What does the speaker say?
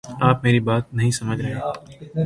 آپ میری بات نہیں سمجھ رہے